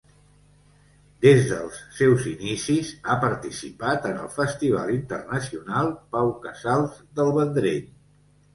Des dels seus inicis ha participat en el Festival Internacional Pau Casals del Vendrell.